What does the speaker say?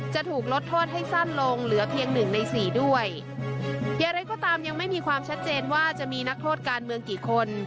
จะถูกลดโทษให้สั้นลงเหลือเพียงหนึ่งในสี่ด้วยอย่างไรก็ตามยังไม่มีความชัดเจนว่าจะมีนักโทษการเมืองกี่คน